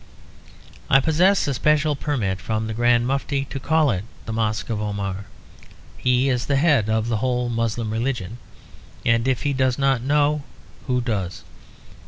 I possess a special permit from the Grand Mufti to call it the Mosque of Omar. He is the head of the whole Moslem religion, and if he does not know, who does?